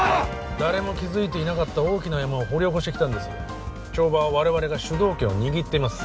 誰も気づいていなかった大きなヤマを掘り起こしてきたんです帳場は我々が主導権を握っています